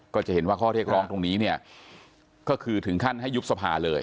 ก็จะเห็นว่าข้อเรียกร้องตรงนี้เนี่ยก็คือถึงขั้นให้ยุบสภาเลย